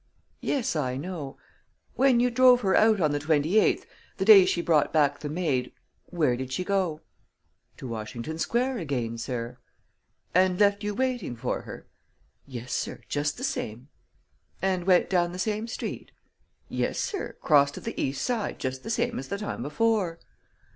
"Yes, I know. When you drove her out on the 28th the day she brought back the maid where did she go?" "To Washington Square again, sir." "And left you waiting for her?" "Yes, sir; just th' same." "And went down the same street?" "Yes, sir; crossed to th' east side just th' same as th' time before."